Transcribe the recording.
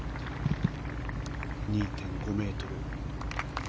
２．５ｍ。